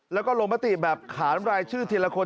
แล้วก็ลงมติแบบขานรายชื่อทีละคน